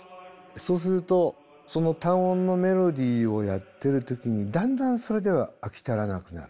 そうするとその単音のメロディーをやってる時にだんだんそれでは飽き足らなくなる。